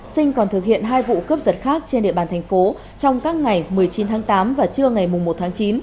sinh còn thực hiện hai vụ cướp giật khác trên địa bàn thành phố trong các ngày một mươi chín tháng tám và trưa ngày một tháng chín